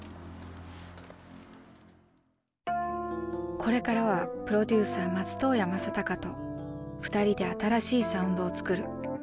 これからはプロデューサー松任谷正隆と２人で新しいサウンドを作る。